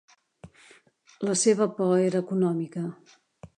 La seva por era econòmica.